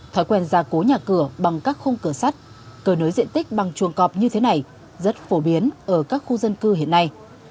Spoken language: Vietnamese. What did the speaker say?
thói quen ra cố nhà cửa bằng các khung cửa sắt cơ nới diện tích bằng chuồng cọp như thế này rất phổ biến ở các khu dân cư hiện nay